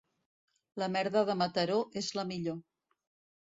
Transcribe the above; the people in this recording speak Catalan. La merda de Mataró és la millor.